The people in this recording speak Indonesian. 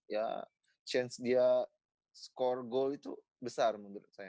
ya chance dia skor goal itu besar menurut saya